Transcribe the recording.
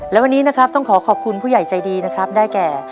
และวันนี้นะครับต้องขอขอบคุณผู้ใหญ่ใจดีนะครับได้แก่